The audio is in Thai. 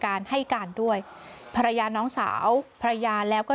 การให้การด้วยภรรยาน้องสาวภรรยาแล้วก็